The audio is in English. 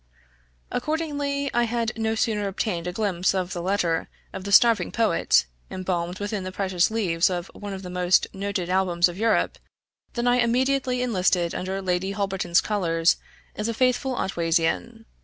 Accordingly, I had no sooner obtained a glimpse of the letter of the starving poet, embalmed within the precious leaves of one of the most noted albums of Europe, than I immediately enlisted under Lady Holberton's colors as a faithful Otwaysian.